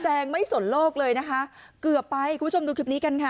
งไม่สนโลกเลยนะคะเกือบไปคุณผู้ชมดูคลิปนี้กันค่ะ